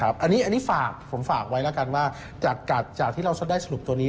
อะนี่ผมฝากไว้แล้วกันจากที่เราจดได้สรุปตัวนี้